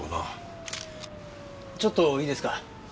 ちょっといいですか？